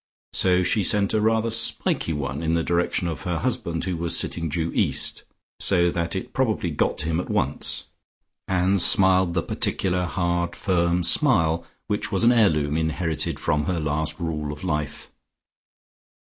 So she sent a rather spiky one in the direction of her husband who was sitting due east, so that it probably got to him at once, and smiled the particular hard firm smile which was an heirloom inherited from her last rule of life.